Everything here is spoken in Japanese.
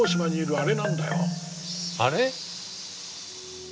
あれ？